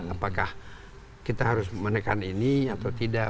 apakah kita harus menekan ini atau tidak